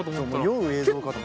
酔う映像かと。